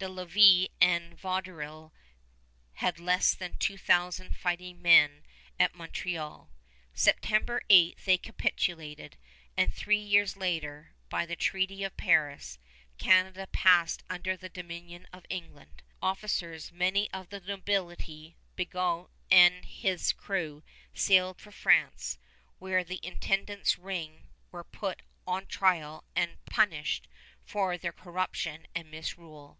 De Lévis and Vaudreuil had less than two thousand fighting men at Montreal. September 8th they capitulated, and three years later, by the Treaty of Paris, Canada passed under the dominion of England. Officers, many of the nobility, Bigot and his crew, sailed for France, where the Intendant's ring were put on trial and punished for their corruption and misrule.